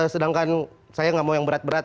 sedangkan saya nggak mau yang berat berat